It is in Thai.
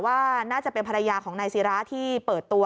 ว่าน่าจะเป็นภรรยาของนายศิราที่เปิดตัว